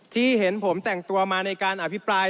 ที่เห็นผมแต่งตัวมาในการอภิปราย